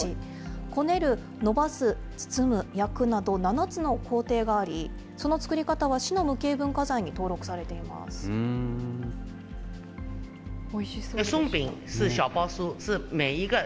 こねる、伸ばす、包む、焼くなど７つの工程があり、その作り方は、市の無形文化財に登録おいしそうです。